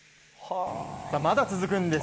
まだ続くんです。